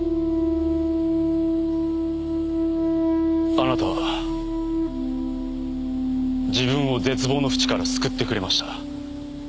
あなたは自分を絶望の淵から救ってくれました。